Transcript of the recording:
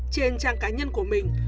trên trang cá nhân của mình